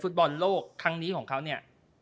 ฟุตบอลโลกครั้งนี้ของเขาเนี่ย